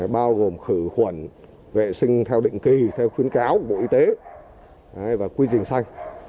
bao gồm khử khuẩn vệ sinh theo định kỳ theo khuyến cáo của bộ y tế và quy trình xanh